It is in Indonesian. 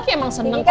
kiki emang seneng kok